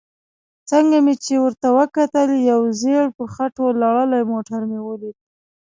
څنګه چې مې ورته وکتل یو ژېړ په خټو لړلی موټر مې ولید.